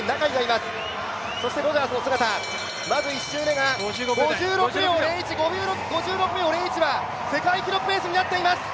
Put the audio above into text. １周目、５６秒０１は世界記録ペースになっています。